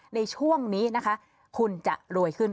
ในช่วงนี้นะคะคุณจะรวยขึ้น